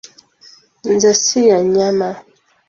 Nze sirya nnyama.